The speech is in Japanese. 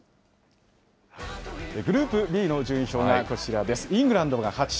グループＢの順位表がこちらです。